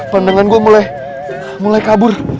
pandangan gue mulai kabur